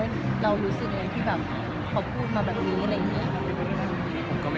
เรารู้สึกว่าทุกคน